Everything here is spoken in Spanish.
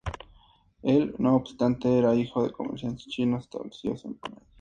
Él, no obstante, era hijo de comerciantes chinos establecidos en Panay.